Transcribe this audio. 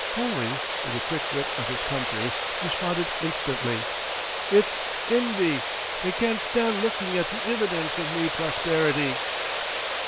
Foley, with the quick wit of his country, responded instantly: "It's invy, they can't stand looking at the ividence of me prosperity."